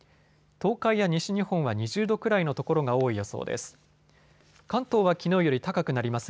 東海や西日本は２０度くらいの所が多い予想です。